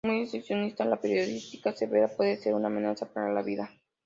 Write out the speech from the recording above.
Muy excepcionalmente, la peritonitis severa puede ser una amenaza para la vida.